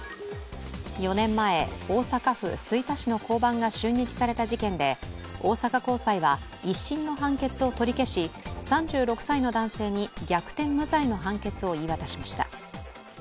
４年前、大阪府吹田市の交番が襲撃された事件で大阪高裁は１審の判決を取り消し３６歳の男性に逆転無罪の判決を言い渡しました。